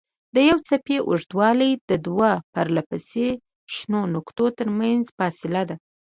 د یوې څپې اوږدوالی د دوو پرلهپسې شنو نقطو ترمنځ فاصله ده.